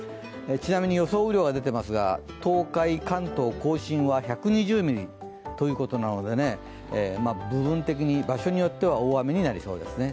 ちなみに予想雨量が出ていますが東海、関東甲信は１２０ミリということなので場所によっては大雨になりそうですね。